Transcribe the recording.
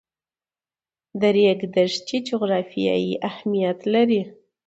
د ریګ دښتې جغرافیایي اهمیت لري.